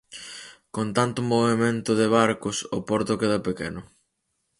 Con tanto movemento de barcos, o porto queda pequeno.